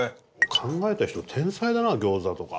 考えた人天才だな餃子とか。